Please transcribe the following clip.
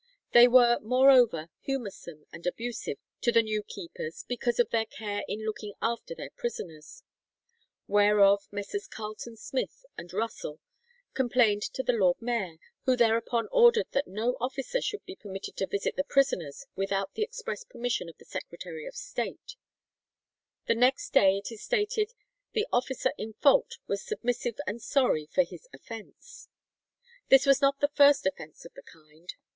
They were, moreover, humoursome and abusive to the new keepers because of their care in looking after their prisoners; whereof Messrs. Carleton Smith and Russell complained to the lord mayor, who thereupon ordered that no officer should be permitted to visit the prisoners without the express permission of the Secretary of State; and next day it is stated the officer in fault was "submissive and sorry for his offence." This was not the first offence of the kind.